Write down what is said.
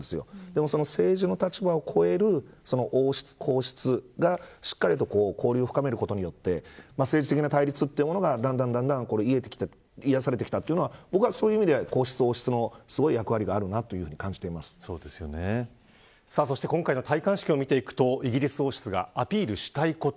でも政治の立場を超える王室と皇室がしっかりと交流を深めることによって政治的な対立がだんだん癒やされてきたというのは僕はそういう意味では皇室、王室のすごい役割がそして今回の戴冠式を見ていくとイギリス王室がアピールしたいこと。